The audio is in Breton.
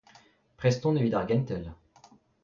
Prest on evit ar gentel.